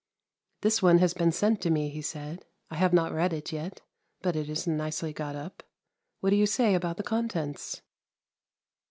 ' This one has been sent to me,' he said; ' I have not read it yet, but it is nicely got up; what do you say about the contents?'